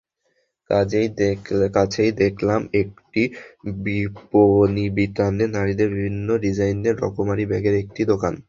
কাছেই দেখলাম একটি বিপণিবিতানে নারীদের বিভিন্ন ডিজাইনের রকমারি ব্যাগের একটি দোকান।